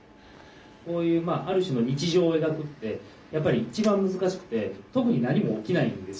こういうある種の日常を描くってやっぱり一番難しくて特に何も起きないんですよね。